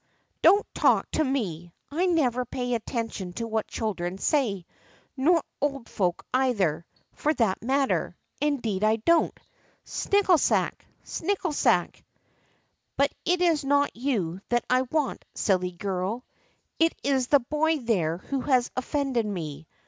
Don't talk to me ! I never pay any attention to what children say ; nor old folk either, for that matter. Indeed I don't ! Snikkesnak ! snikkesnak ! But it is not you that I want, silly girl. It is the boy there who has offended me.